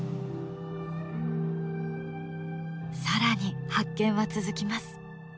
更に発見は続きます。